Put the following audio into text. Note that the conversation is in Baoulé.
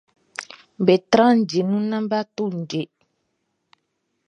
Be tran ndje nu nan ba tu ndje.